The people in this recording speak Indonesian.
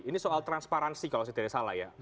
ini soal transparansi kalau saya tidak salah ya